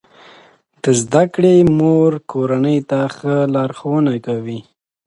د زده کړې مور کورنۍ ته ښه لارښوونه کوي.